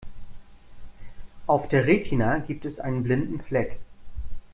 Auf der Retina gibt es einen blinden Fleck.